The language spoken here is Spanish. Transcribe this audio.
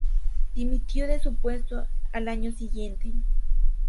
Dimitió de su puesto al año siguiente.